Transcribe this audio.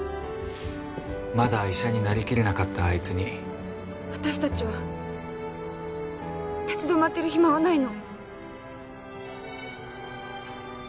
まだ医者になりきれなかったあいつに私達は立ち止まってる暇はないの